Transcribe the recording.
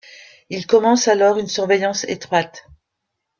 Il commence alors une surveillance étroite...